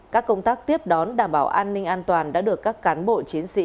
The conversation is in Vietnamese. các công tác tiếp đón đảm bảo an ninh an toàn đã được các cán bộ chiến sĩ